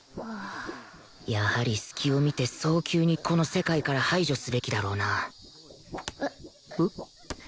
やはり隙を見て早急にこの世界から排除すべきだろうなうっ。